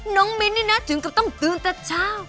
มิ้นนี่นะถึงกับต้องตื่นแต่เช้า